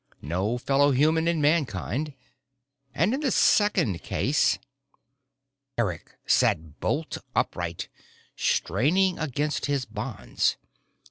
No fellow human in Mankind. And in the second case Eric sat bolt upright, straining against his bonds.